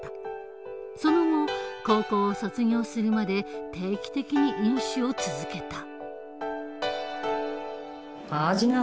その後高校を卒業するまで定期的に飲酒を続けた。